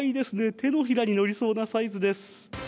手のひらに乗りそうなサイズです。